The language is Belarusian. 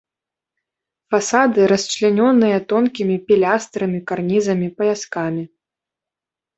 Фасады расчлянёныя тонкімі пілястрамі, карнізамі, паяскамі.